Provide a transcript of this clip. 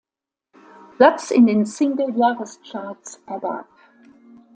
Platz in den Single-Jahrescharts ergab.